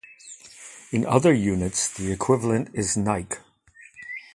In other units the equivalent is naik.